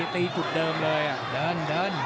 ตีจุดเดิมเลยอ่ะเดินเดิน